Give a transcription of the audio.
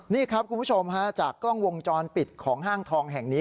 นี่ครับคุณผู้ชมฮะจากกล้องวงจรปิดของห้างทองแห่งนี้